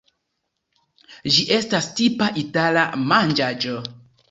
Ĝi estas tipa itala manĝaĵo.